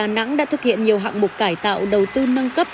nắng đã thực hiện nhiều hạng mục cải tạo đầu tư nâng cấp